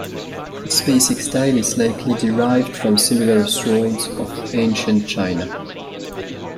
Its basic style is likely derived from similar swords of ancient China.